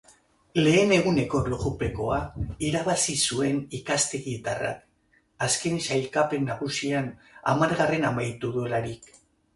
Lehen eguneko erlojupekoa irabazi zuen ikaztegietarrak, azken sailkapen nagusian hamargarren amaitu duelarik.